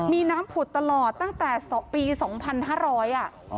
มีน้ำผุดตลอดตั้งแต่ปีสองพันห้าร้อยอ่ะ